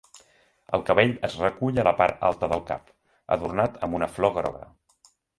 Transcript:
El cabell es recull a la part alta del cap, adornat amb una flor groga.